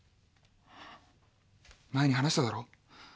前に話しただろ？